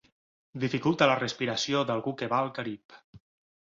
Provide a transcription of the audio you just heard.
Dificulta la respiració d'algú que va al Carib.